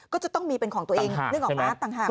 ก็จะต้องมีเป็นของตัวเองเรื่องของอาร์ตตังหากค่ะ